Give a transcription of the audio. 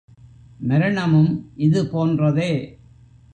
மரணமும் இது போன்றதே.